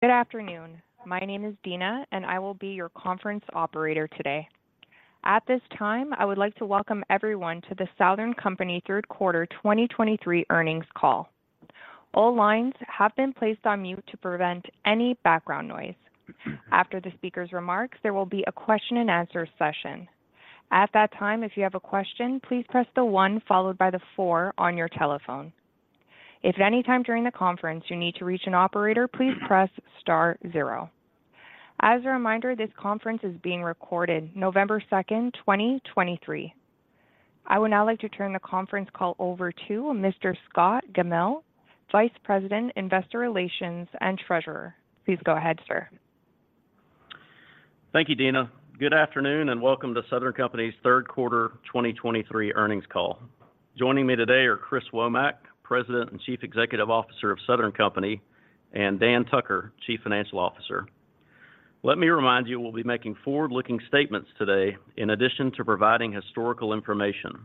Good afternoon. My name is Dina, and I will be your conference operator today. At this time, I would like to welcome everyone to the Southern Company Third Quarter 2023 Earnings Call. All lines have been placed on mute to prevent any background noise. After the speaker's remarks, there will be a question and answer session. At that time, if you have a question, please press the one followed by the four on your telephone. If at any time during the conference you need to reach an operator, please press star zero. As a reminder, this conference is being recorded November 2, 2023. I would now like to turn the conference call over to Mr. Scott Gammill, Vice President, Investor Relations and Treasurer. Please go ahead, sir. Thank you, Dina. Good afternoon, and Welcome to Southern Company's Third Quarter 2023 Earnings Call. Joining me today are Chris Womack, President and Chief Executive Officer of Southern Company, and Dan Tucker, Chief Financial Officer. Let me remind you, we'll be making forward-looking statements today in addition to providing historical information.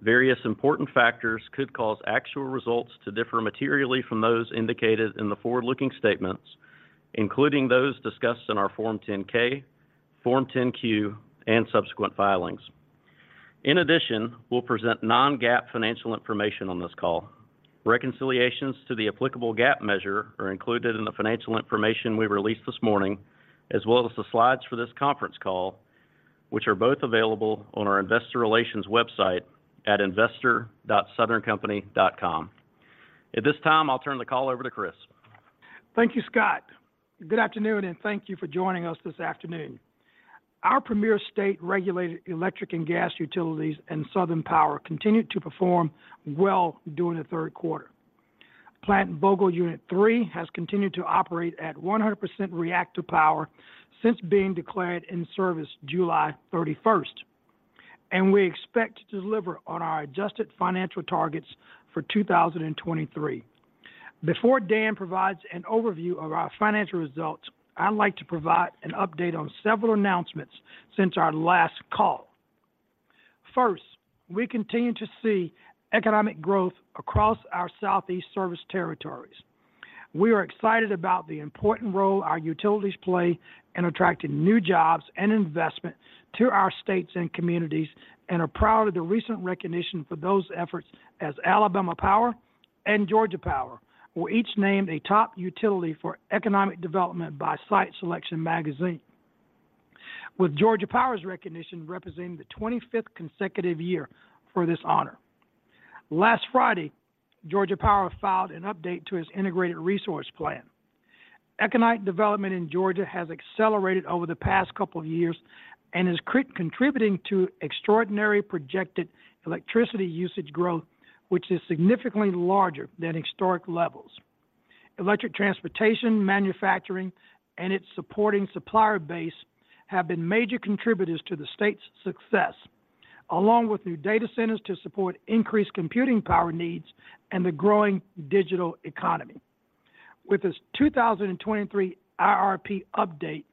Various important factors could cause actual results to differ materially from those indicated in the forward-looking statements, including those discussed in our Form 10-K, Form 10-Q, and subsequent filings. In addition, we'll present non-GAAP financial information on this call. Reconciliations to the applicable GAAP measure are included in the financial information we released this morning, as well as the slides for this conference call, which are both available on our investor relations website at investor.southerncompany.com. At this time, I'll turn the call over to Chris. Thank you, Scott. Good afternoon, and thank you for joining us this afternoon. Our premier state-regulated electric and gas utilities and Southern Power continued to perform well during the third quarter. Plant Vogtle Unit 3 has continued to operate at 100% reactor power since being declared in service July 31, and we expect to deliver on our adjusted financial targets for 2023. Before Dan provides an overview of our financial results, I'd like to provide an update on several announcements since our last call. First, we continue to see economic growth across our Southeast service territories. We are excited about the important role our utilities play in attracting new jobs and investment to our states and communities, and are proud of the recent recognition for those efforts as Alabama Power and Georgia Power were each named a top utility for economic development by Site Selection Magazine. With Georgia Power's recognition representing the 25th consecutive year for this honor. Last Friday, Georgia Power filed an update to its Integrated Resource Plan. Economic development in Georgia has accelerated over the past couple of years and is contributing to extraordinary projected electricity usage growth, which is significantly larger than historic levels. Electric transportation, manufacturing, and its supporting supplier base have been major contributors to the state's success, along with new data centers to support increased computing power needs and the growing digital economy. With this 2023 IRP update,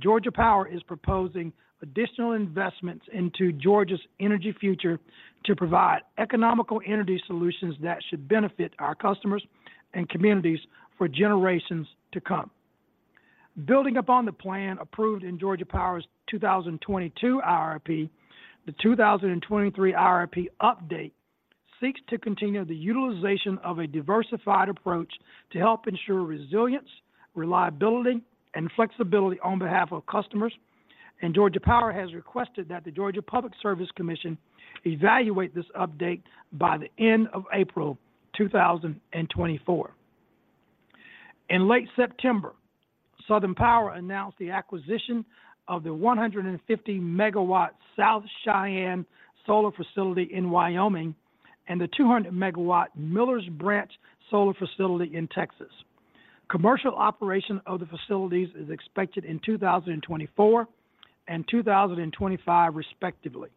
Georgia Power is proposing additional investments into Georgia's energy future to provide economical energy solutions that should benefit our customers and communities for generations to come. Building upon the plan approved in Georgia Power's 2022 IRP, the 2023 IRP update seeks to continue the utilization of a diversified approach to help ensure resilience, reliability, and flexibility on behalf of customers, and Georgia Power has requested that the Georgia Public Service Commission evaluate this update by the end of April 2024. In late September, Southern Power announced the acquisition of the 150 MW South Cheyenne solar facility in Wyoming and the 200 MW Millers Branch solar facility in Texas. Commercial operation of the facilities is expected in 2024 and 2025 respectively.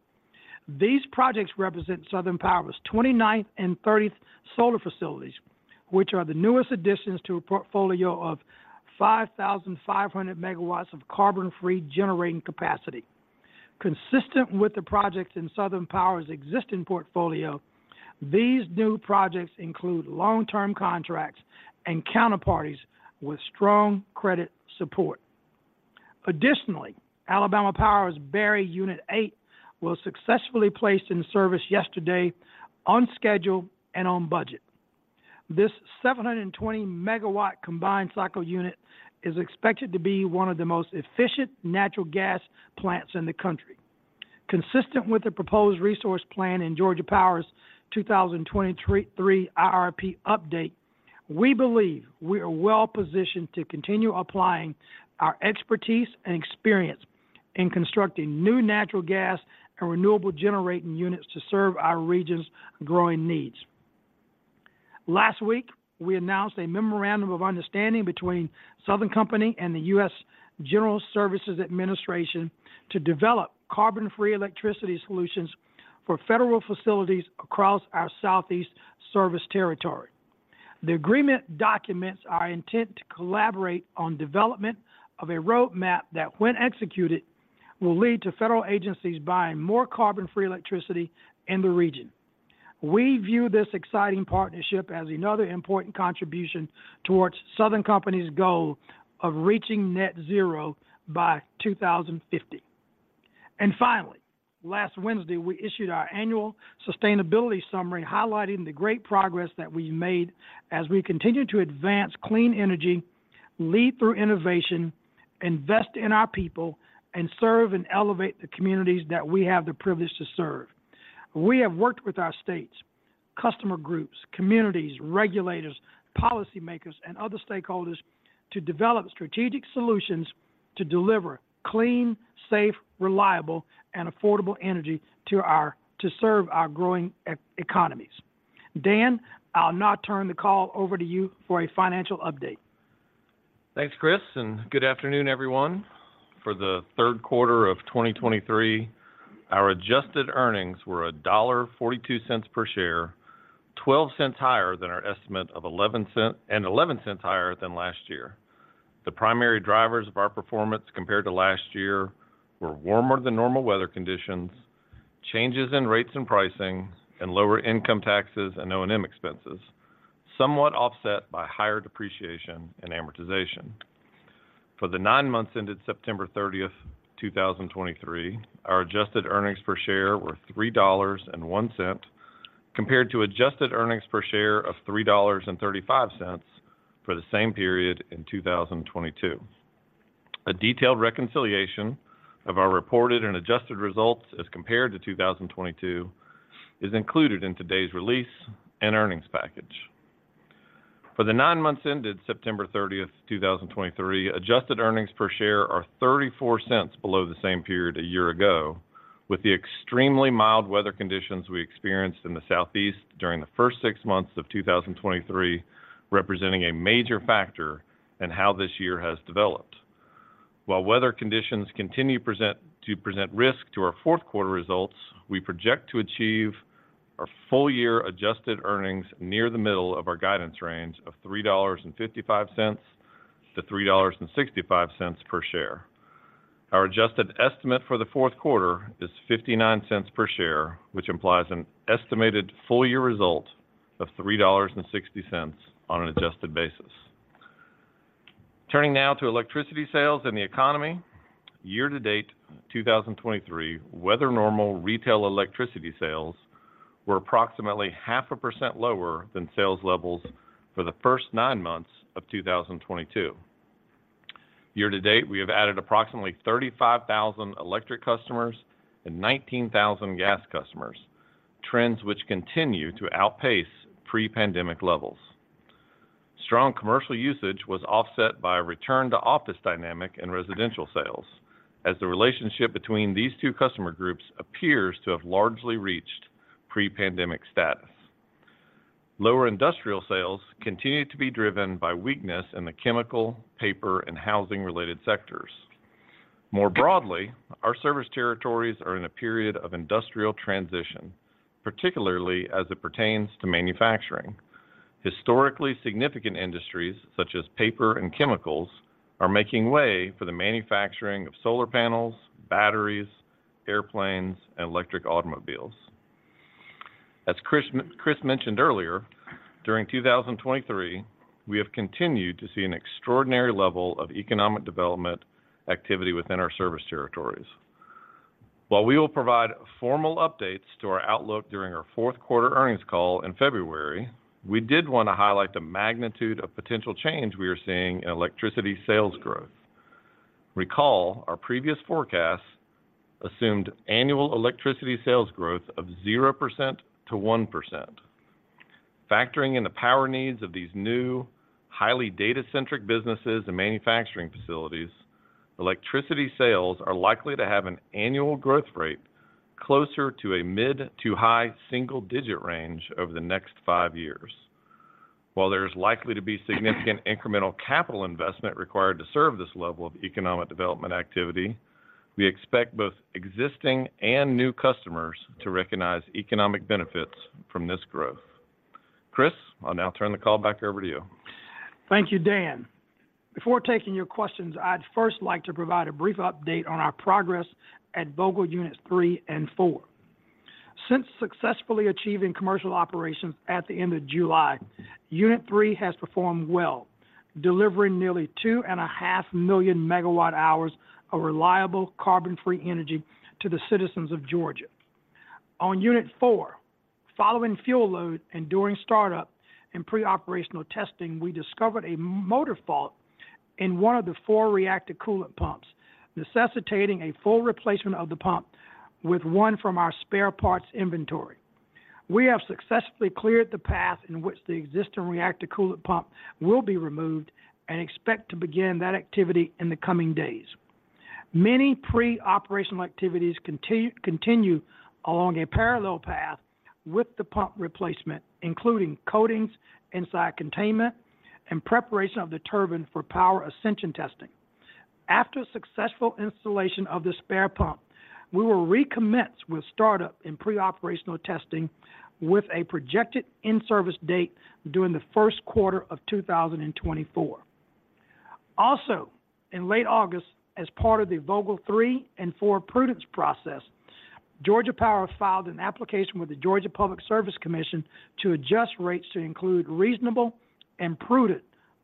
These projects represent Southern Power's 29th and 30th solar facilities, which are the newest additions to a portfolio of 5,500 MW of carbon-free generating capacity. Consistent with the projects in Southern Power's existing portfolio, these new projects include long-term contracts and counterparties with strong credit support. Additionally, Alabama Power's Barry Unit 8 was successfully placed in service yesterday on schedule and on budget. This 720 MW combined-cycle unit is expected to be one of the most efficient natural gas plants in the country. Consistent with the proposed resource plan in Georgia Power's 2023 IRP update, we believe we are well positioned to continue applying our expertise and experience in constructing new natural gas and renewable generating units to serve our region's growing needs. Last week, we announced a memorandum of understanding between Southern Company and the U.S. General Services Administration to develop carbon-free electricity solutions for federal facilities across our Southeast service territory. The agreement documents our intent to collaborate on development of a roadmap that, when executed, will lead to federal agencies buying more carbon-free electricity in the region. We view this exciting partnership as another important contribution towards Southern Company's goal of reaching net zero by 2050. And finally, last Wednesday, we issued our annual sustainability summary, highlighting the great progress that we made as we continue to advance clean energy, lead through innovation, invest in our people, and serve and elevate the communities that we have the privilege to serve. We have worked with our states, customer groups, communities, regulators, policymakers, and other stakeholders to develop strategic solutions to deliver clean, safe, reliable, and affordable energy to serve our growing economies. Dan, I'll now turn the call over to you for a financial update. Thanks, Chris, and good afternoon, everyone. For the third quarter of 2023, our adjusted earnings were $1.42 per share, $0.12 higher than our estimate of $0.11 and $0.11 higher than last year. The primary drivers of our performance compared to last year were warmer than normal weather conditions, changes in rates and pricing, and lower income taxes and O&M expenses, somewhat offset by higher depreciation and amortization. For the nine months ended September 30, 2023, our adjusted earnings per share were $3.01, compared to adjusted earnings per share of $3.35 for the same period in 2022. A detailed reconciliation of our reported and adjusted results as compared to 2022 is included in today's release and earnings package. For the 9 months ended September 30, 2023, adjusted earnings per share are $0.34 below the same period a year ago, with the extremely mild weather conditions we experienced in the Southeast during the first 6 months of 2023 representing a major factor in how this year has developed. While weather conditions continue to present risk to our fourth quarter results, we project to achieve our full-year adjusted earnings near the middle of our guidance range of $3.55-$3.65 per share. Our adjusted estimate for the fourth quarter is $0.59 per share, which implies an estimated full-year result of $3.60 on an adjusted basis. Turning now to electricity sales and the economy, year to date 2023, weather normal retail electricity sales were approximately 0.5% lower than sales levels for the first nine months of 2022. Year to date, we have added approximately 35,000 electric customers and 19,000 gas customers, trends which continue to outpace pre-pandemic levels. Strong commercial usage was offset by a return to office dynamic and residential sales, as the relationship between these two customer groups appears to have largely reached pre-pandemic status. Lower industrial sales continued to be driven by weakness in the chemical, paper, and housing-related sectors. More broadly, our service territories are in a period of industrial transition, particularly as it pertains to manufacturing. Historically significant industries, such as paper and chemicals, are making way for the manufacturing of solar panels, batteries, airplanes, and electric automobiles. As Chris Womack mentioned earlier, during 2023, we have continued to see an extraordinary level of economic development activity within our service territories. While we will provide formal updates to our outlook during our fourth quarter earnings call in February, we did want to highlight the magnitude of potential change we are seeing in electricity sales growth. Recall, our previous forecast assumed annual electricity sales growth of 0%-1%. Factoring in the power needs of these new, highly data-centric businesses and manufacturing facilities, electricity sales are likely to have an annual growth rate closer to a mid to high single-digit range over the next five years. While there is likely to be significant incremental capital investment required to serve this level of economic development activity, we expect both existing and new customers to recognize economic benefits from this growth. Chris, I'll now turn the call back over to you. Thank you, Dan. Before taking your questions, I'd first like to provide a brief update on our progress at Vogtle Units 3 and 4. Since successfully achieving commercial operations at the end of July, Unit 3 has performed well, delivering nearly 2.5 million MW-hours of reliable, carbon-free energy to the citizens of Georgia. On Unit 4, following fuel load and during startup and pre-operational testing, we discovered a motor fault in one of the four reactor coolant pumps, necessitating a full replacement of the pump with one from our spare parts inventory. We have successfully cleared the path in which the existing reactor coolant pump will be removed and expect to begin that activity in the coming days. Many pre-operational activities continue along a parallel path with the pump replacement, including coatings inside containment and preparation of the turbine for power ascension testing. After a successful installation of the spare pump, we will recommence with startup and pre-operational testing with a projected in-service date during the first quarter of 2024. Also, in late August, as part of the Vogtle 3 and 4 prudence process, Georgia Power filed an application with the Georgia Public Service Commission to adjust rates to include reasonable and prudent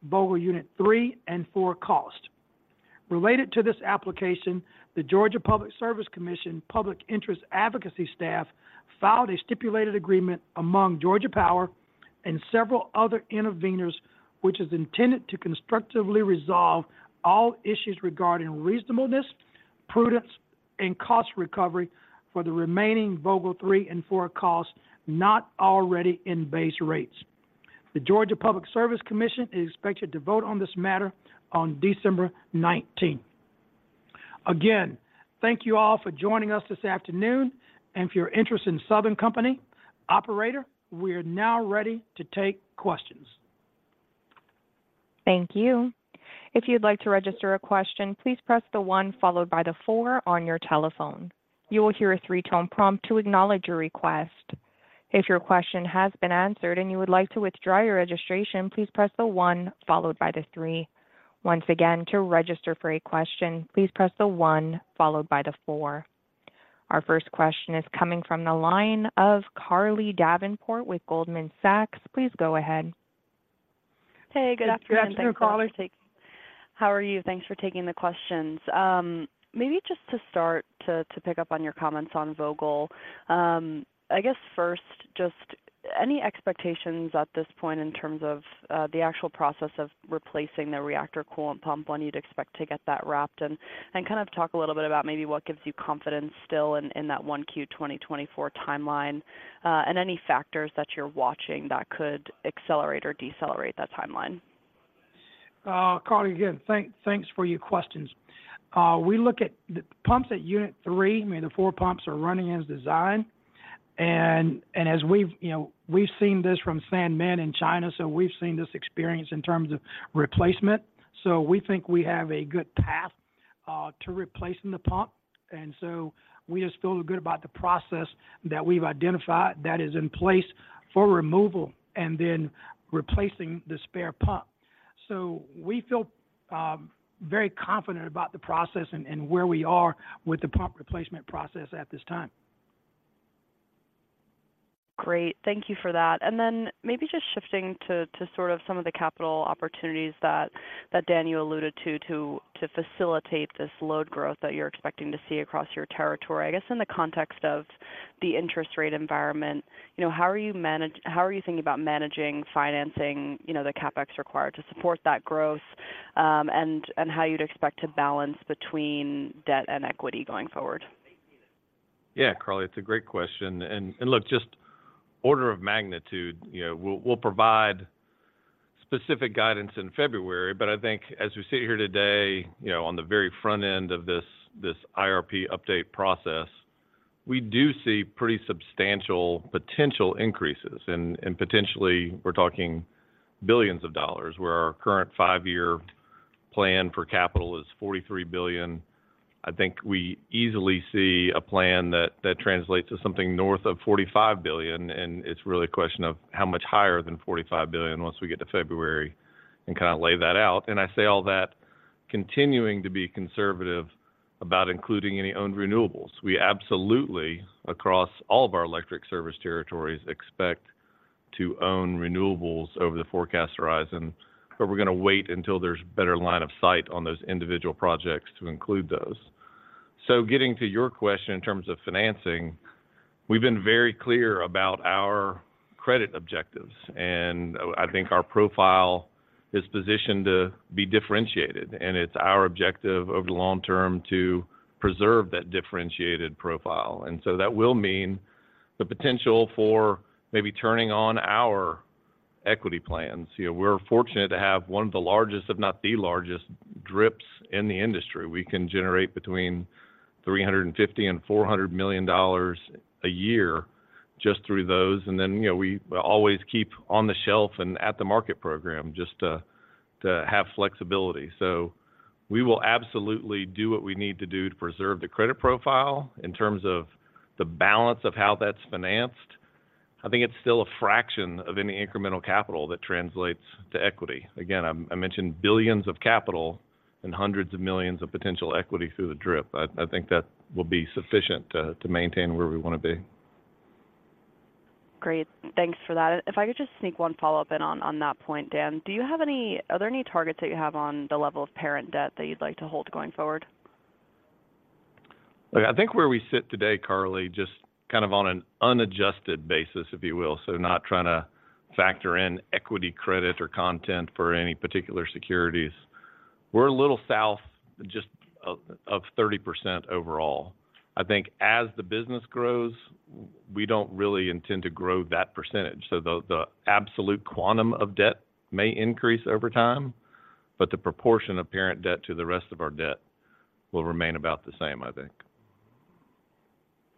Vogtle Unit 3 and 4 costs. Related to this application, the Georgia Public Service Commission Public Interest Advocacy staff filed a stipulated agreement among Georgia Power and several other interveners, which is intended to constructively resolve all issues regarding reasonableness, prudence, and cost recovery for the remaining Vogtle 3 and 4 costs not already in base rates. The Georgia Public Service Commission is expected to vote on this matter on December 19. Again, thank you all for joining us this afternoon, and if you're interested in Southern Company, operator, we are now ready to take questions. Thank you. If you'd like to register a question, please press the one followed by the four on your telephone. You will hear a three-tone prompt to acknowledge your request. If your question has been answered and you would like to withdraw your registration, please press the one followed by the three. Once again, to register for a question, please press the one followed by the four. Our first question is coming from the line of Carly Davenport with Goldman Sachs. Please go ahead. Hey, good afternoon. Good afternoon, caller. How are you? Thanks for taking the questions. Maybe just to start to pick up on your comments on Vogtle, I guess first, just any expectations at this point in terms of the actual process of replacing the reactor coolant pump, when you'd expect to get that wrapped? And kind of talk a little bit about maybe what gives you confidence still in that one Q 2024 timeline, and any factors that you're watching that could accelerate or decelerate that timeline. Carly, again, thanks for your questions. We look at the pumps at unit three, I mean, the four pumps are running as designed, and as we've, you know, we've seen this from Sanmen in China, so we've seen this experience in terms of replacement. So we think we have a good path to replacing the pump, and so we just feel good about the process that we've identified that is in place for removal and then replacing the spare pump. So we feel very confident about the process and where we are with the pump replacement process at this time. Great. Thank you for that. And then maybe just shifting to sort of some of the capital opportunities that Dan, you alluded to to facilitate this load growth that you're expecting to see across your territory. I guess in the context of the interest rate environment, you know, how are you thinking about managing financing, you know, the CapEx required to support that growth, and how you'd expect to balance between debt and equity going forward? Yeah, Carly, it's a great question. And, and look, just order of magnitude, you know, we'll, we'll provide specific guidance in February, but I think as we sit here today, you know, on the very front end of this, this IRP update process, we do see pretty substantial potential increases. And, and potentially, we're talking billions of dollars, where our current five-year plan for capital is $43 billion. I think we easily see a plan that, that translates to something north of $45 billion, and it's really a question of how much higher than $45 billion once we get to February and kinda lay that out. And I say all that continuing to be conservative about including any owned renewables. We absolutely, across all of our electric service territories, expect to own renewables over the forecast horizon, but we're gonna wait until there's better line of sight on those individual projects to include those. So getting to your question in terms of financing, we've been very clear about our credit objectives, and I think our profile is positioned to be differentiated, and it's our objective over the long term to preserve that differentiated profile. And so that will mean the potential for maybe turning on our equity plans. You know, we're fortunate to have one of the largest, if not the largest, DRIPs in the industry. We can generate between $350 million and $400 million a year just through those. And then, you know, we always keep on the shelf and at-the-market program just to have flexibility. We will absolutely do what we need to do to preserve the credit profile. In terms of the balance of how that's financed, I think it's still a fraction of any incremental capital that translates to equity. Again, I mentioned billions of capital and hundreds of millions of potential equity through the DRIP. I think that will be sufficient to maintain where we wanna be. Great. Thanks for that. If I could just sneak one follow-up in on that point, Dan. Do you have any. Are there any targets that you have on the level of parent debt that you'd like to hold going forward? Look, I think where we sit today, Carly, just kind of on an unadjusted basis, if you will, so not trying to factor in equity credit or content for any particular securities, we're a little south just of 30% overall. I think as the business grows, we don't really intend to grow that percentage. So the absolute quantum of debt may increase over time, but the proportion of parent debt to the rest of our debt will remain about the same, I think.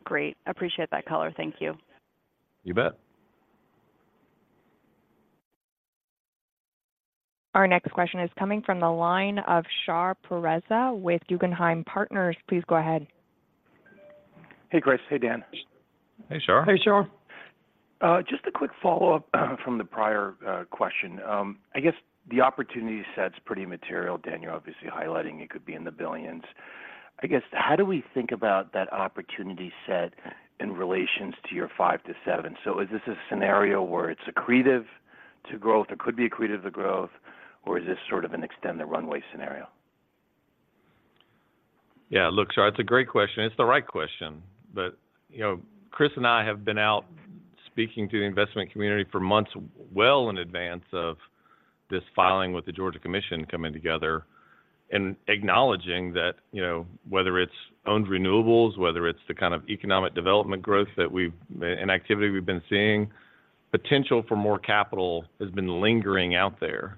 Great. Appreciate that color. Thank you. You bet. Our next question is coming from the line of Shar Pourreza with Guggenheim Partners. Please go ahead. Hey, Chris. Hey, Dan. Hey, Shar. Hey, Shar. Just a quick follow-up from the prior question. I guess the opportunity set's pretty material. Dan, you're obviously highlighting it could be in the $ billions. I guess, how do we think about that opportunity set in relation to your 5-7? Is this a scenario where it's accretive to growth, or could be accretive to growth, or is this sort of an extend-the-runway scenario? Yeah, look, Charles, it's a great question, and it's the right question. But, you know, Chris and I have been out speaking to the investment community for months well in advance of this filing with the Georgia Commission coming together and acknowledging that, you know, whether it's owned renewables, whether it's the kind of economic development growth that we've and activity we've been seeing, potential for more capital has been lingering out there.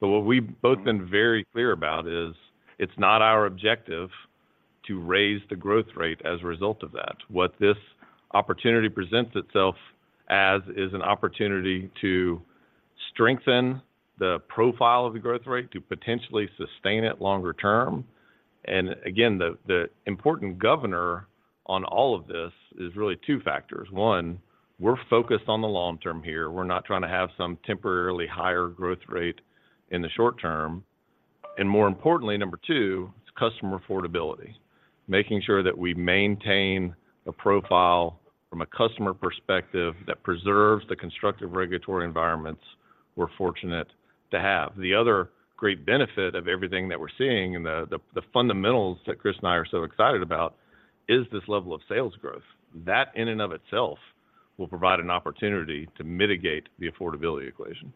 But what we've both been very clear about is, it's not our objective to raise the growth rate as a result of that. What this opportunity presents itself as, is an opportunity to strengthen the profile of the growth rate, to potentially sustain it longer term. And again, the important governor on all of this is really two factors: One, we're focused on the long term here. We're not trying to have some temporarily higher growth rate in the short term. More importantly, number two, is customer affordability. Making sure that we maintain a profile from a customer perspective that preserves the constructive regulatory environments we're fortunate to have. The other great benefit of everything that we're seeing, and the fundamentals that Chris and I are so excited about, is this level of sales growth. That, in and of itself, will provide an opportunity to mitigate the affordability equation.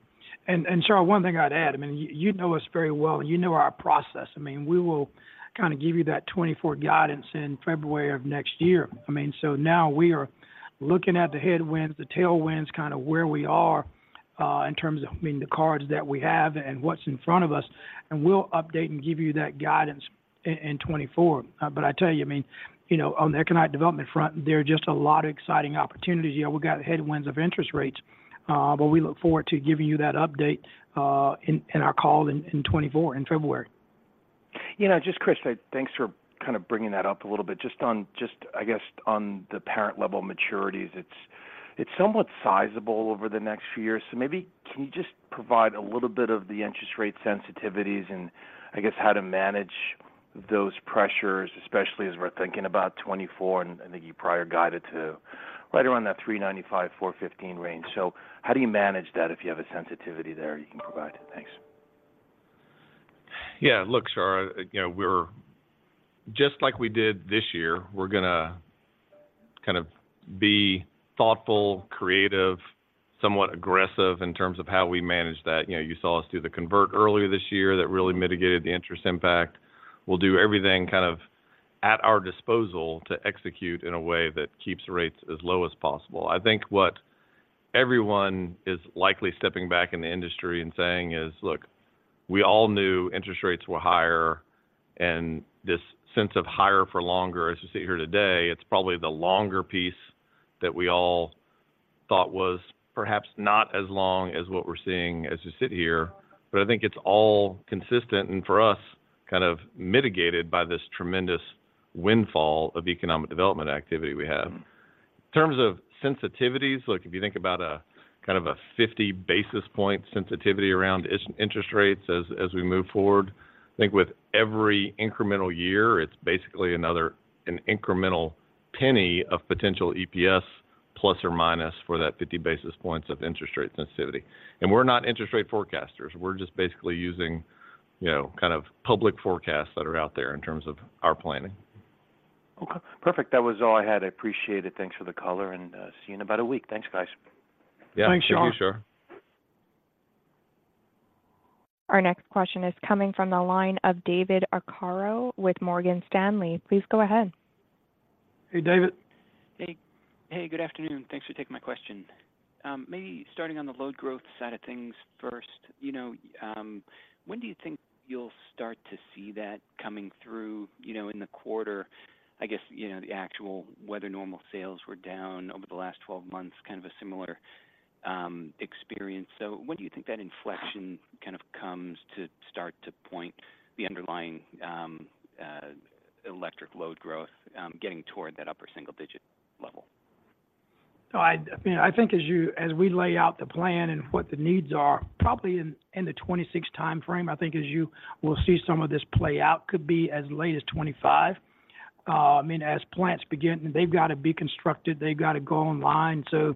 Charles, one thing I'd add, I mean, you know us very well, and you know our process. I mean, we will kind of give you that 2024 guidance in February of next year. I mean, so now we are looking at the headwinds, the tailwinds, kind of where we are in terms of, I mean, the cards that we have and what's in front of us, and we'll update and give you that guidance in 2024. But I tell you, I mean, you know, on the economic development front, there are just a lot of exciting opportunities. Yeah, we've got headwinds of interest rates, but we look forward to giving you that update in our call in 2024, in February. You know, just Chris, thanks for kind of bringing that up a little bit. Just on, just I guess, on the parent-level maturities, it's, it's somewhat sizable over the next few years. So maybe can you just provide a little bit of the interest rate sensitivities and, I guess, how to manage those pressures, especially as we're thinking about 2024, and I think you prior guided to right around that 3.95-4.15 range. So how do you manage that if you have a sensitivity there you can provide? Thanks. Yeah, look, Charles, you know, we're just like we did this year, we're going to kind of be thoughtful, creative, somewhat aggressive in terms of how we manage that. You know, you saw us do the convert earlier this year that really mitigated the interest impact. We'll do everything kind of at our disposal to execute in a way that keeps rates as low as possible. I think what everyone is likely stepping back in the industry and saying is, "Look, we all knew interest rates were higher," and this sense of higher for longer, as you sit here today, it's probably the longer piece that we all thought was perhaps not as long as what we're seeing as we sit here. But I think it's all consistent, and for us, kind of mitigated by this tremendous windfall of economic development activity we have. In terms of sensitivities, look, if you think about a kind of a 50 basis point sensitivity around interest rates as we move forward, I think with every incremental year, it's basically another incremental penny of potential EPS, plus or minus, for that 50 basis points of interest rate sensitivity. And we're not interest rate forecasters. We're just basically using, you know, kind of public forecasts that are out there in terms of our planning. Okay, perfect. That was all I had. I appreciate it. Thanks for the color, and see you in about a week. Thanks, guys. Thanks, Charles. Yeah. Thank you, Charles. Our next question is coming from the line of David Arcaro with Morgan Stanley. Please go ahead. Hey, David. Hey, hey, good afternoon. Thanks for taking my question. Maybe starting on the load growth side of things first. You know, when do you think you'll start to see that coming through, you know, in the quarter? I guess, you know, the actual weather normal sales were down over the last 12 months, kind of a similar experience. So when do you think that inflection kind of comes to start to point the underlying electric load growth getting toward that upper single-digit level? So I mean, I think as you—as we lay out the plan and what the needs are, probably in the 2026 timeframe, I think as you will see, some of this play out could be as late as 2025. I mean, as plants begin, they've got to be constructed, they've got to go online. So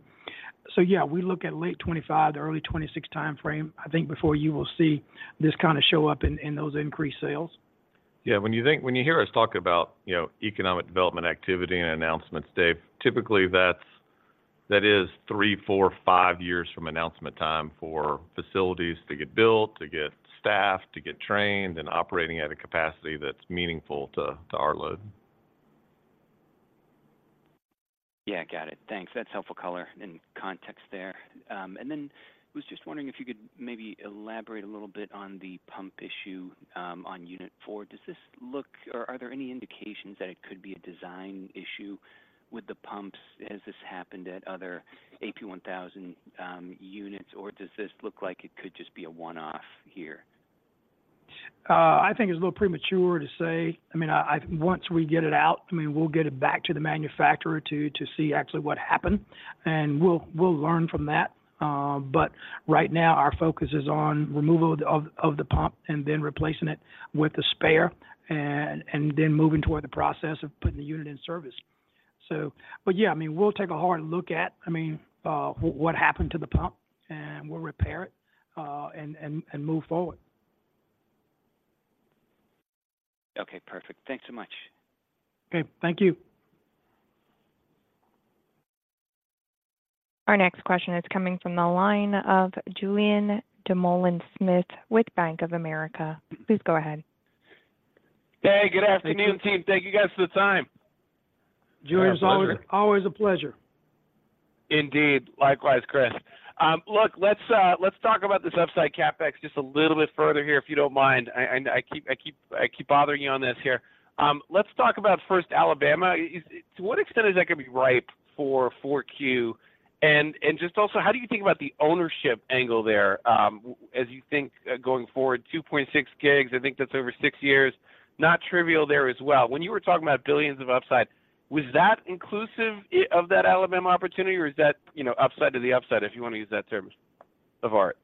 yeah, we look at late 2025 to early 2026 timeframe, I think, before you will see this kind of show up in those increased sales. Yeah, when you think, when you hear us talk about, you know, economic development activity and announcements, Dave, typically, that's, that is 3, 4, 5 years from announcement time for facilities to get built, to get staffed, to get trained and operating at a capacity that's meaningful to, to our load. Yeah, got it. Thanks. That's helpful color and context there. And then was just wondering if you could maybe elaborate a little bit on the pump issue, on unit four. Does this look, or are there any indications that it could be a design issue with the pumps? Has this happened at other AP1000 units, or does this look like it could just be a one-off here? I think it's a little premature to say. I mean, once we get it out, I mean, we'll get it back to the manufacturer to see actually what happened, and we'll learn from that. But right now, our focus is on removal of the pump and then replacing it with a spare, and then moving toward the process of putting the unit in service. But yeah, I mean, we'll take a hard look at, I mean, what happened to the pump, and we'll repair it, and move forward. Okay, perfect. Thanks so much. Okay, thank you. Our next question is coming from the line of Julien Dumoulin-Smith with Bank of America. Please go ahead. Hey, good afternoon, team. Thank you guys for the time. Julien, always, always a pleasure. Indeed. Likewise, Chris. Look, let's talk about this upside CapEx just a little bit further here, if you don't mind. I keep bothering you on this here. Let's talk about first, Alabama. To what extent is that going to be ripe for Q4? And just also, how do you think about the ownership angle there, as you think going forward? 2.6 gigs, I think that's over 6 years. Not trivial there as well. When you were talking about billions of upside, was that inclusive of that Alabama opportunity, or is that, you know, upside to the upside, if you wanna use that term of art?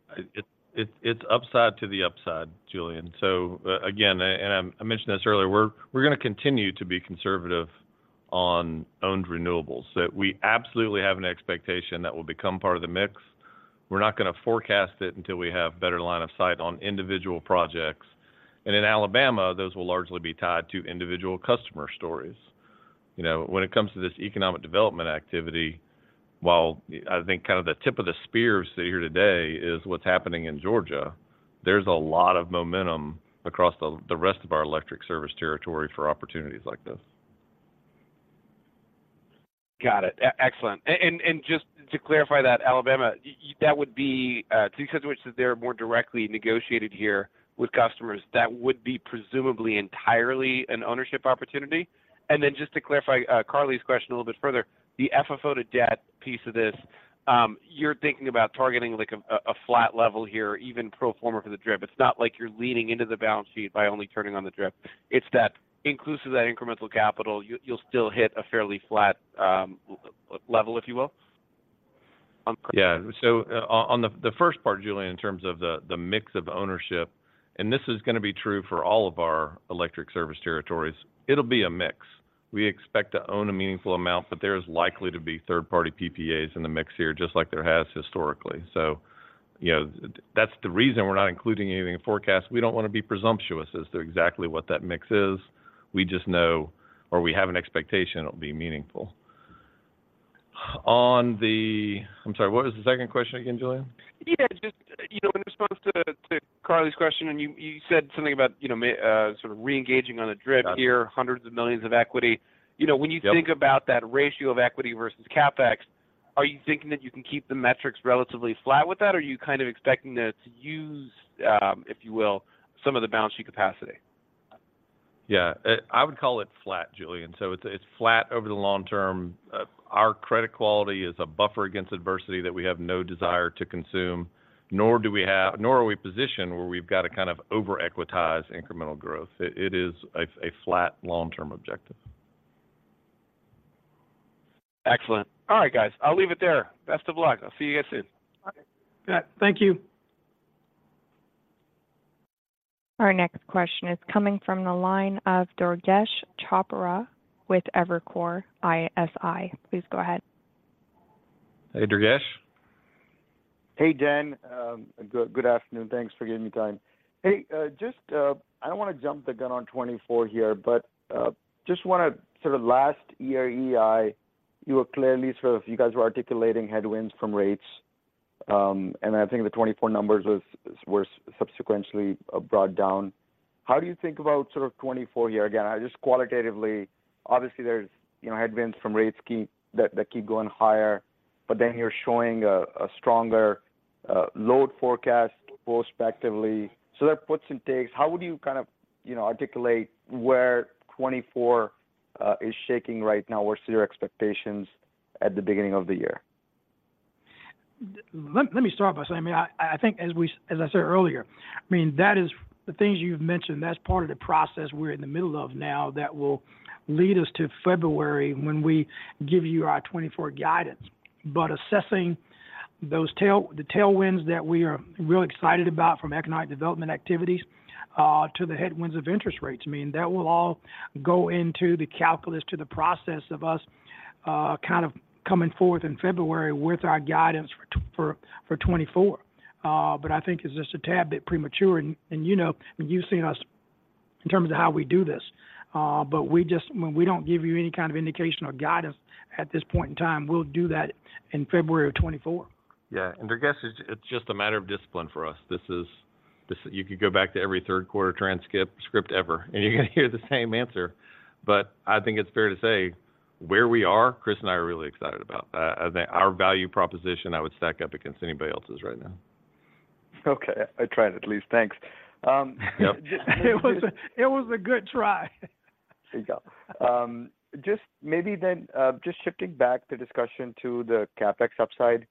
It's upside to the upside, Julien. So, again, I mentioned this earlier, we're gonna continue to be conservative on owned renewables. So we absolutely have an expectation that will become part of the mix. We're not gonna forecast it until we have better line of sight on individual projects. And in Alabama, those will largely be tied to individual customer stories. You know, when it comes to this economic development activity, while I think kind of the tip of the spear here today is what's happening in Georgia, there's a lot of momentum across the rest of our electric service territory for opportunities like this. Got it. Excellent. And just to clarify that, Alabama, that would be because they're more directly negotiated here with customers, that would be presumably entirely an ownership opportunity? And then just to clarify Carly's question a little bit further, the FFO to debt piece of this, you're thinking about targeting, like, a flat level here, even pro forma for the DRIP. It's not like you're leaning into the balance sheet by only turning on the DRIP. It's that inclusive, that incremental capital, you, you'll still hit a fairly flat level, if you will? Yeah. So, on the first part, Julien, in terms of the mix of ownership, and this is gonna be true for all of our electric service territories, it'll be a mix. We expect to own a meaningful amount, but there is likely to be third-party PPAs in the mix here, just like there has historically. So, you know, that's the reason we're not including anything in forecast. We don't wanna be presumptuous as to exactly what that mix is. We just know or we have an expectation it'll be meaningful. On the. I'm sorry, what was the second question again, Julien? Yeah, just, you know, in response to Carly's question, and you said something about, you know, may sort of reengaging on the DRIP here- Got it. hundreds of millions of equity. You know- Yep .when you think about that ratio of equity versus CapEx, are you thinking that you can keep the metrics relatively flat with that? Or are you kind of expecting to use, if you will, some of the balance sheet capacity? Yeah. I would call it flat, Julien, so it's flat over the long term. Our credit quality is a buffer against adversity that we have no desire to consume, nor do we have, nor are we positioned where we've got to kind of over-equitize incremental growth. It is a flat long-term objective. Excellent. All right, guys, I'll leave it there. Best of luck. I'll see you guys soon. Okay. Yeah, thank you. Our next question is coming from the line of Durgesh Chopra with Evercore ISI. Please go ahead. Hey, Durgesh. Hey, Dan. Good afternoon. Thanks for giving me time. Hey, just, I don't wanna jump the gun on 2024 here but, just wanna sort of last year, EI, you were clearly sort of-- you guys were articulating headwinds from rates, and I think the 2024 numbers was, was subsequently, brought down. How do you think about sort of 2024 year again? Just qualitatively, obviously, there's, you know, headwinds from rates keep-- that, that keep going higher, but then you're showing a, a stronger, load forecast prospectively. So that puts some takes. How would you kind of, you know, articulate where 2024, is shaking right now versus your expectations at the beginning of the year? Let me start by saying, I think as I said earlier, I mean, that is the things you've mentioned, that's part of the process we're in the middle of now that will lead us to February, when we give you our 2024 guidance. But assessing those tailwinds that we are really excited about from economic development activities, to the headwinds of interest rates, I mean, that will all go into the calculus, to the process of us kind of coming forth in February with our guidance for 2024. But I think it's just a tad bit premature, and you know, and you've seen us in terms of how we do this. But we just, when we don't give you any kind of indication or guidance at this point in time, we'll do that in February of 2024. Yeah, and Durgesh, it's just a matter of discipline for us. This is. You could go back to every third quarter transcript, script ever, and you're gonna hear the same answer. But I think it's fair to say, where we are, Chris and I are really excited about that. I think our value proposition, I would stack up against anybody else's right now. Okay, I tried at least. Thanks. Yep. It was a good try. There you go. Just maybe then, just shifting back the discussion to the CapEx upside,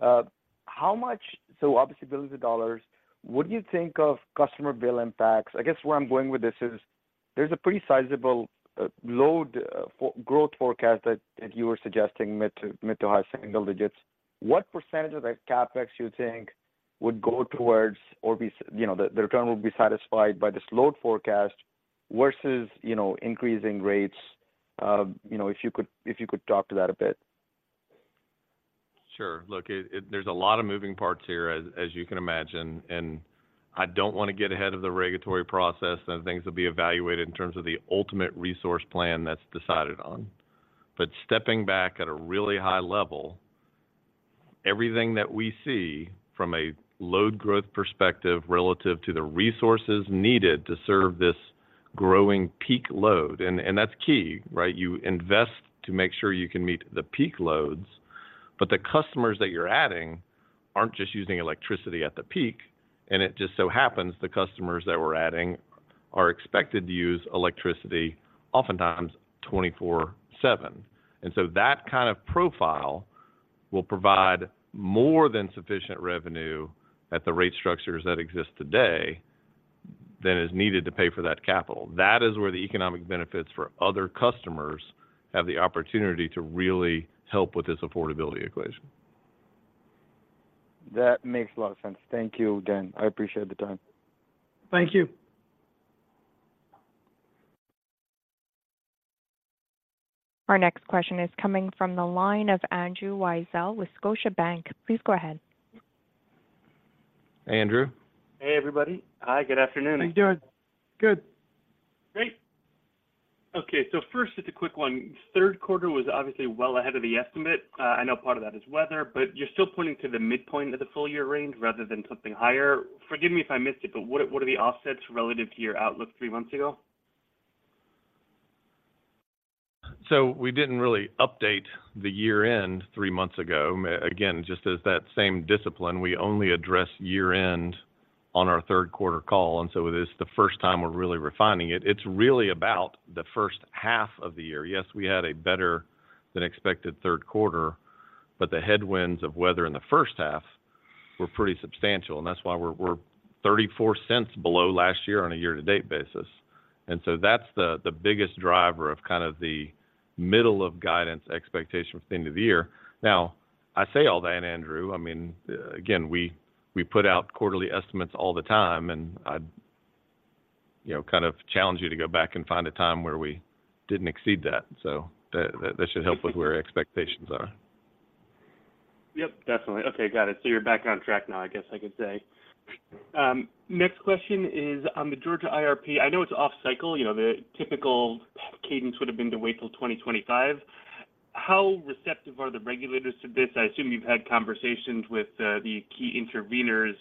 how much? So obviously, $ billions, what do you think of customer bill impacts? I guess where I'm going with this is, there's a pretty sizable load growth forecast that, that you were suggesting, mid- to high single digits. What percentage of that CapEx you think would go towards or be, you know, the, the return will be satisfied by this load forecast versus, you know, increasing rates? You know, if you could, if you could talk to that a bit. Sure. Look, there's a lot of moving parts here, as you can imagine, and I don't want to get ahead of the regulatory process, and things will be evaluated in terms of the ultimate resource plan that's decided on. But stepping back at a really high level, everything that we see from a load growth perspective relative to the resources needed to serve this growing peak load, and that's key, right? You invest to make sure you can meet the peak loads, but the customers that you're adding aren't just using electricity at the peak, and it just so happens the customers that we're adding are expected to use electricity oftentimes 24/7. And so that kind of profile will provide more than sufficient revenue at the rate structures that exist today than is needed to pay for that capital. That is where the economic benefits for other customers have the opportunity to really help with this affordability equation. That makes a lot of sense. Thank you, Dan. I appreciate the time. Thank you. Our next question is coming from the line of Andrew Weisel with Scotiabank. Please go ahead. Hey, Andrew. Hey, everybody. Hi, good afternoon. How you doing? Good. Great. Okay, so first, just a quick one. Third quarter was obviously well ahead of the estimate. I know part of that is weather, but you're still pointing to the midpoint of the full year range rather than something higher. Forgive me if I missed it, but what, what are the offsets relative to your outlook three months ago? So we didn't really update the year-end three months ago. Again, just as that same discipline, we only address year-end on our third quarter call, and so it is the first time we're really refining it. It's really about the first half of the year. Yes, we had a better-than-expected third quarter, but the headwinds of weather in the first half were pretty substantial, and that's why we're $0.34 below last year on a year-to-date basis. And so that's the biggest driver of kind of the middle-of-guidance expectations for the end of the year. Now, I say all that, Andrew, I mean, again, we put out quarterly estimates all the time, and I'd, you know, kind of challenge you to go back and find a time where we didn't exceed that. So that should help with where expectations are. Yep, definitely. Okay, got it. So you're back on track now, I guess I could say. Next question is on the Georgia IRP. I know it's off cycle. You know, the typical cadence would have been to wait till 2025. How receptive are the regulators to this? I assume you've had conversations with the key interveners.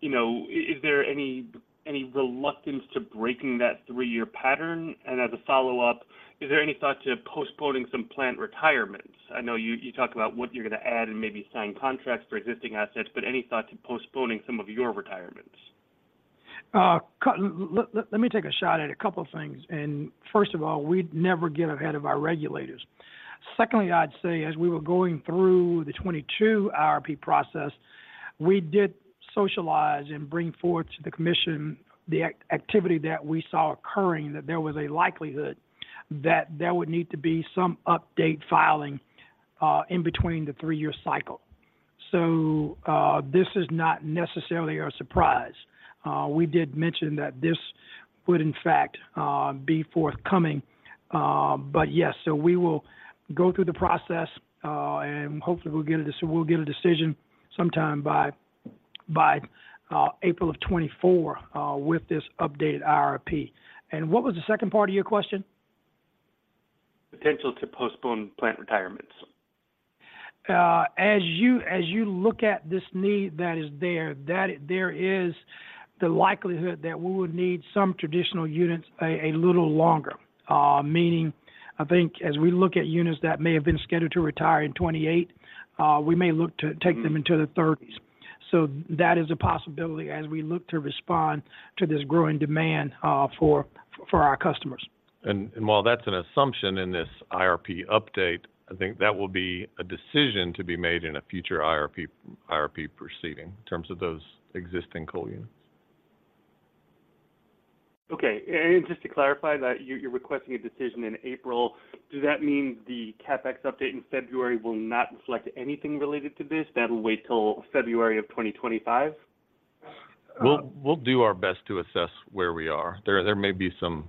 You know, is there any reluctance to breaking that three-year pattern? And as a follow-up, is there any thought to postponing some plant retirements? I know you talked about what you're going to add and maybe sign contracts for existing assets, but any thought to postponing some of your retirements? Let me take a shot at a couple of things. First of all, we'd never get ahead of our regulators. Secondly, I'd say as we were going through the 2022 IRP process, we did socialize and bring forward to the commission the activity that we saw occurring, that there was a likelihood that there would need to be some update filing in between the 3-year cycle. So, this is not necessarily a surprise. We did mention that this would in fact be forthcoming. But yes, so we will go through the process, and hopefully we'll get a decision sometime by April of 2024 with this updated IRP. What was the second part of your question? Potential to postpone plant retirements. As you look at this need that is there, there is the likelihood that we would need some traditional units a little longer. Meaning, I think as we look at units that may have been scheduled to retire in 2028, we may look to take them into the thirties. So that is a possibility as we look to respond to this growing demand for our customers. While that's an assumption in this IRP update, I think that will be a decision to be made in a future IRP proceeding in terms of those existing coal units. Okay. And just to clarify that you, you're requesting a decision in April, do that mean the CapEx update in February will not reflect anything related to this? That'll wait till February of 2025? We'll do our best to assess where we are. There may be some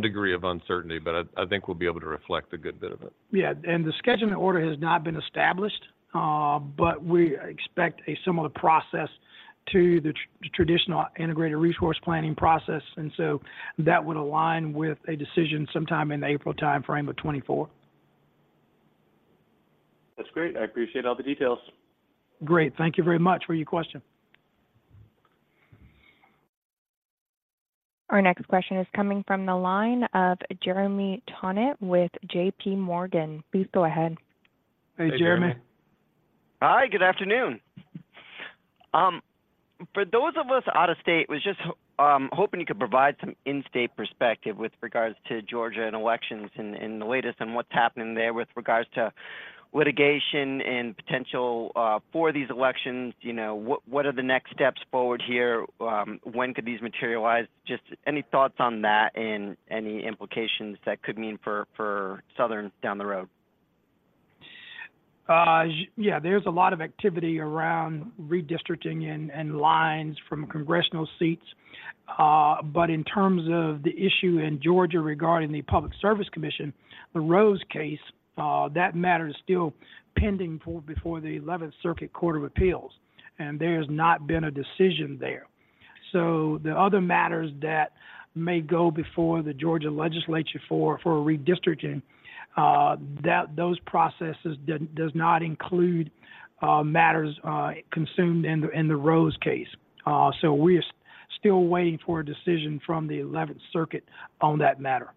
degree of uncertainty, but I think we'll be able to reflect a good bit of it. Yeah, and the scheduling order has not been established, but we expect a similar process to the traditional integrated resource planning process, and so that would align with a decision sometime in the April timeframe of 2024. That's great. I appreciate all the details. Great. Thank you very much for your question. Our next question is coming from the line of Jeremy Tonet with JPMorgan. Please go ahead. Hey, Jeremy. Hey, Jeremy. Hi, good afternoon. For those of us out of state, was just hoping you could provide some in-state perspective with regards to Georgia and elections and the latest on what's happening there with regards to litigation and potential for these elections. You know, what are the next steps forward here? When could these materialize? Just any thoughts on that and any implications that could mean for Southern down the road? Yeah, there's a lot of activity around redistricting and lines from congressional seats. But in terms of the issue in Georgia regarding the Public Service Commission, the Rose case, that matter is still pending before the Eleventh Circuit Court of Appeals, and there's not been a decision there. So the other matters that may go before the Georgia legislature for redistricting, those processes does not include matters consumed in the Rose case. So we are still waiting for a decision from the Eleventh Circuit on that matter.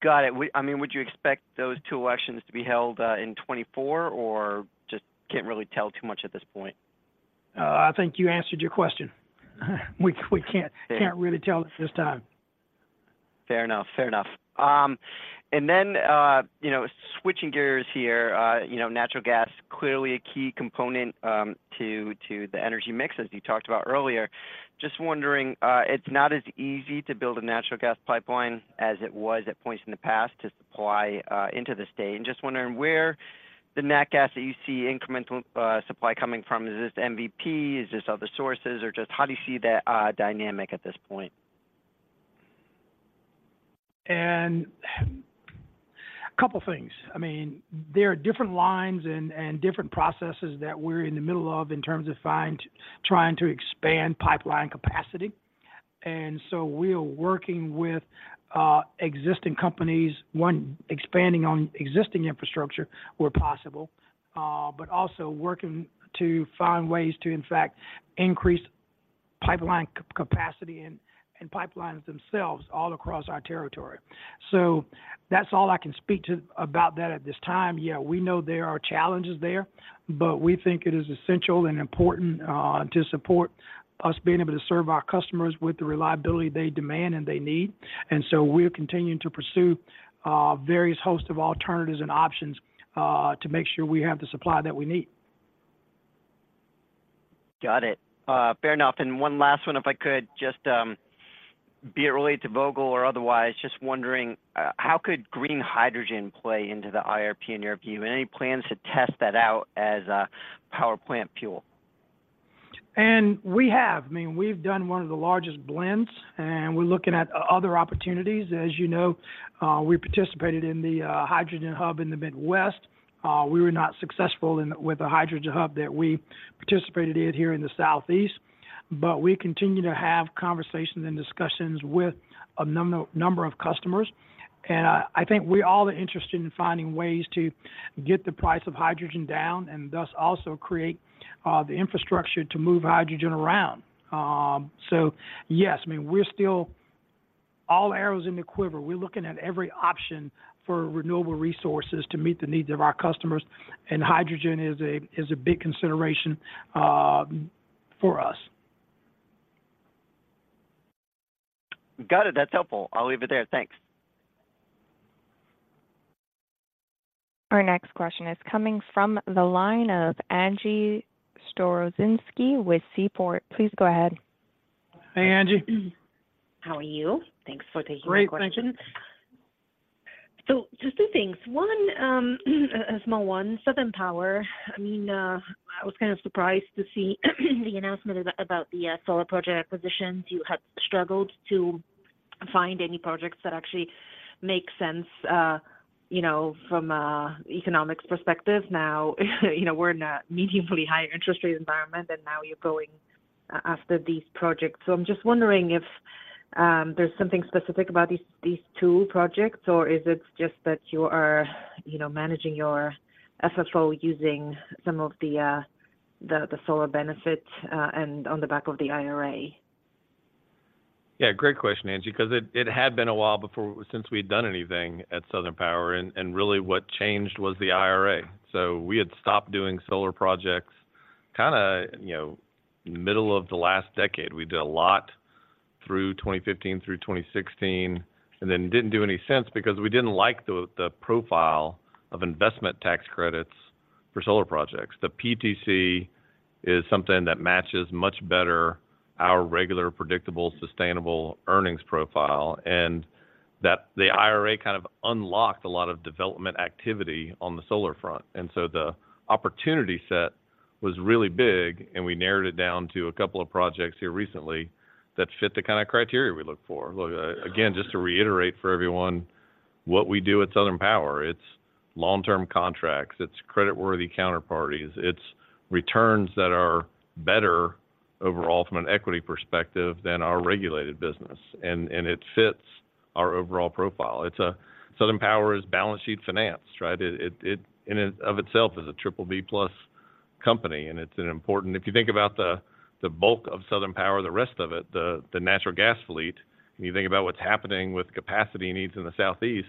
Got it. I mean, would you expect those two elections to be held in 2024, or just can't really tell too much at this point? I think you answered your question. We can't- Yeah can't really tell at this time. Fair enough. Fair enough. And then, you know, switching gears here, you know, natural gas, clearly a key component to the energy mix, as you talked about earlier. Just wondering, it's not as easy to build a natural gas pipeline as it was at points in the past to supply into the state. And just wondering where the nat gas that you see incremental supply coming from. Is this MVP? Is this other sources, or just how do you see that dynamic at this point? A couple of things. I mean, there are different lines and different processes that we're in the middle of in terms of trying to expand pipeline capacity. So we are working with existing companies, one, expanding on existing infrastructure where possible, but also working to find ways to, in fact, increase pipeline capacity and pipelines themselves all across our territory. So that's all I can speak to about that at this time. Yeah, we know there are challenges there, but we think it is essential and important to support us being able to serve our customers with the reliability they demand and they need. So we're continuing to pursue various host of alternatives and options to make sure we have the supply that we need. Got it. Fair enough. And one last one, if I could, just, be it related to Vogtle or otherwise, just wondering, how could green hydrogen play into the IRP in your view? Any plans to test that out as a power plant fuel? We have. I mean, we've done one of the largest blends, and we're looking at other opportunities. As you know, we participated in the hydrogen hub in the Midwest. We were not successful with the hydrogen hub that we participated in here in the Southeast, but we continue to have conversations and discussions with a number of customers. I think we all are interested in finding ways to get the price of hydrogen down and thus also create the infrastructure to move hydrogen around. So yes, I mean, we're still all arrows in the quiver. We're looking at every option for renewable resources to meet the needs of our customers, and hydrogen is a big consideration for us. Got it. That's helpful. I'll leave it there. Thanks. Our next question is coming from the line of Angie Storozynski with Seaport. Please go ahead. Hi, Angie. How are you? Thanks for taking my question. Great, thank you. So just two things. One, a small one, Southern Power. I mean, I was kinda surprised to see the announcement about the solar project acquisitions. You had struggled to find any projects that actually make sense, you know, from an economics perspective. Now, you know, we're in a meaningfully higher interest rate environment, and now you're going after these projects. So I'm just wondering if there's something specific about these two projects, or is it just that you are, you know, managing your FFO, using some of the solar benefit, and on the back of the IRA? Yeah, great question, Angie, 'cause it had been a while before since we'd done anything at Southern Power, and really what changed was the IRA. So we had stopped doing solar projects kinda, you know, middle of the last decade. We did a lot through 2015 through 2016, and then didn't do any since because we didn't like the profile of investment tax credits for solar projects. The PTC is something that matches much better our regular, predictable, sustainable earnings profile, and that the IRA kind of unlocked a lot of development activity on the solar front. And so the opportunity set was really big, and we narrowed it down to a couple of projects here recently that fit the kinda criteria we look for. Look, again, just to reiterate for everyone what we do at Southern Power, it's long-term contracts, it's credit-worthy counterparties, it's returns that are better overall from an equity perspective than our regulated business, and, and it fits our overall profile. It's Southern Power is balance sheet finance, right? It in and of itself is a triple B plus company, and it's an important. If you think about the bulk of Southern Power, the rest of it, the natural gas fleet, and you think about what's happening with capacity needs in the Southeast.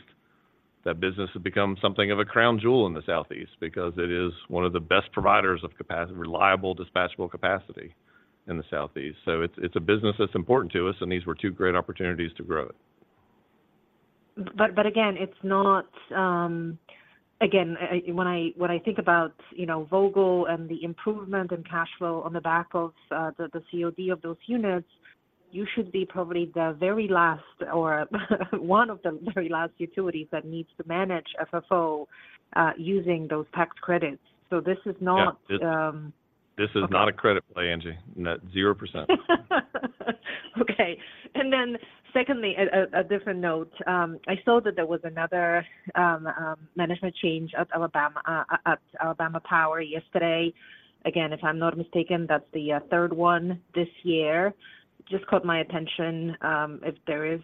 That business has become something of a crown jewel in the Southeast because it is one of the best providers of capacity, reliable, dispatchable capacity in the Southeast. So it's a business that's important to us, and these were two great opportunities to grow it. But again, it's not—again, when I think about, you know, Vogtle and the improvement in cash flow on the back of the COD of those units, you should be probably the very last or one of the very last utilities that needs to manage FFO using those tax credits. So this is not— Yeah, this is not a credit play, Angie. Net 0%. Okay. And then secondly, a different note. I saw that there was another management change at Alabama Power yesterday. Again, if I'm not mistaken, that's the third one this year. Just caught my attention, if there is,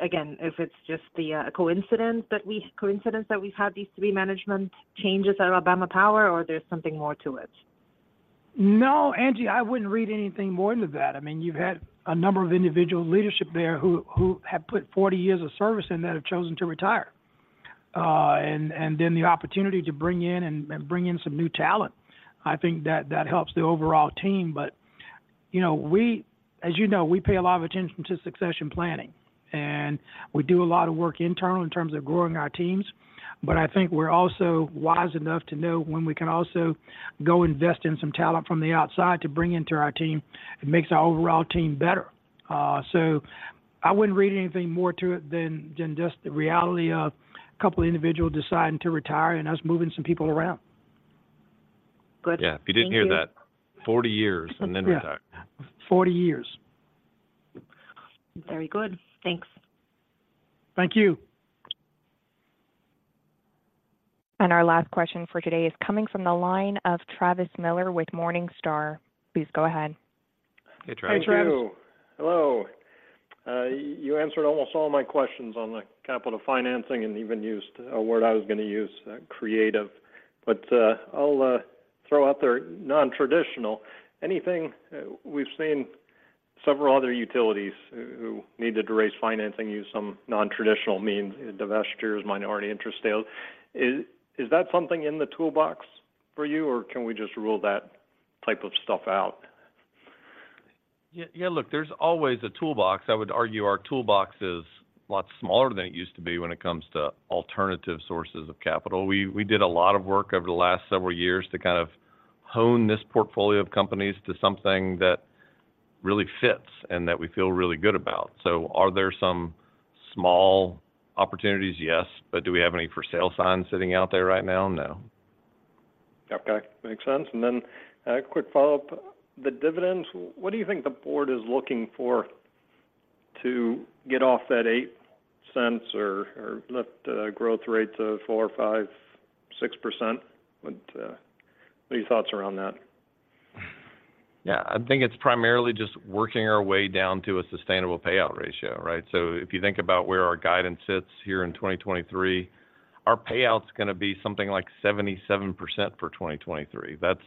again, if it's just the coincidence that we've had these three management changes at Alabama Power, or there's something more to it? No, Angie, I wouldn't read anything more into that. I mean, you've had a number of individual leadership there who have put 40 years of service in, that have chosen to retire. And then the opportunity to bring in and bring in some new talent, I think that helps the overall team. But, you know, we, as you know, we pay a lot of attention to succession planning, and we do a lot of work internal in terms of growing our teams. But I think we're also wise enough to know when we can also go invest in some talent from the outside to bring into our team. It makes our overall team better. So I wouldn't read anything more to it than just the reality of a couple of individuals deciding to retire and us moving some people around. Good. Yeah. Thank you. If you didn't hear that, 40 years and then retire. Yeah, 40 years. Very good. Thanks. Thank you. Our last question for today is coming from the line of Travis Miller with Morningstar. Please go ahead. Hey, Travis. Hi, Travis. Thank you. Hello. You answered almost all my questions on the capital financing and even used a word I was going to use, creative. But, I'll throw out there, nontraditional. Anything. We've seen several other utilities who needed to raise financing use some nontraditional means, divestitures, minority interest sales. Is that something in the toolbox for you, or can we just rule that type of stuff out? Yeah, yeah, look, there's always a toolbox. I would argue our toolbox is a lot smaller than it used to be when it comes to alternative sources of capital. We did a lot of work over the last several years to kind of hone this portfolio of companies to something that really fits and that we feel really good about. So are there some small opportunities? Yes. But do we have any for sale signs sitting out there right now? No. Okay, makes sense. And then, quick follow-up. The dividends, what do you think the board is looking for to get off that $0.08 or, or lift the growth rate to 4%, 5%, 6%? What, are your thoughts around that? Yeah, I think it's primarily just working our way down to a sustainable payout ratio, right? So if you think about where our guidance sits here in 2023, our payout is going to be something like 77% for 2023. That's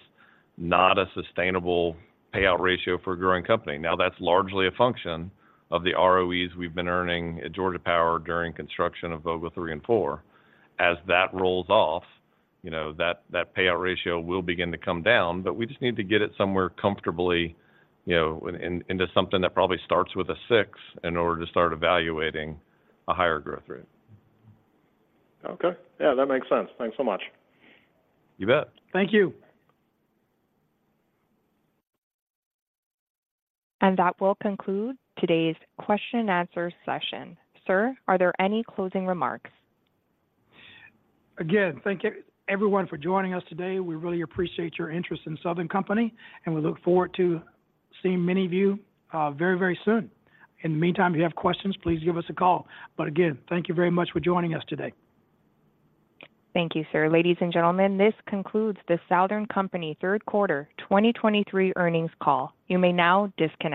not a sustainable payout ratio for a growing company. Now, that's largely a function of the ROEs we've been earning at Georgia Power during construction of Vogtle 3 and 4. As that rolls off, you know, that payout ratio will begin to come down, but we just need to get it somewhere comfortably, you know, into something that probably starts with a 6 in order to start evaluating a higher growth rate. Okay. Yeah, that makes sense. Thanks so much. You bet. Thank you. That will conclude today's question and answer session. Sir, are there any closing remarks? Again, thank you everyone for joining us today. We really appreciate your interest in Southern Company, and we look forward to seeing many of you, very, very soon. In the meantime, if you have questions, please give us a call. Again, thank you very much for joining us today. Thank you, sir. Ladies and gentlemen, this concludes the Southern Company third quarter 2023 earnings call. You may now disconnect.